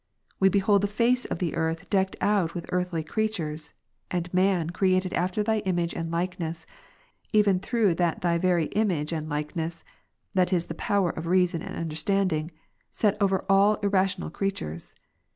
We behold the face of the earth decked out with earthly creatures, and man, created after Thy image and likeness, even through that Thy very image and likeness, (that is the power of reason and under standing,) set overall irrational creatures.